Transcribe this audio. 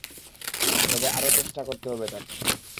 তবে, আরো চেষ্টা করতে হবে তাকে।